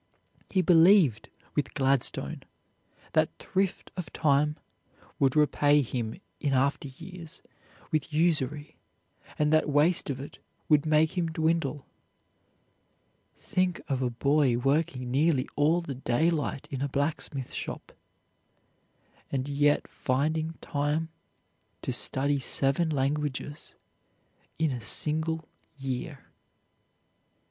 He believed, with Gladstone, that thrift of time would repay him in after years with usury, and that waste of it would make him dwindle. Think of a boy working nearly all the daylight in a blacksmith shop, and yet finding time to study seven languages in a single year.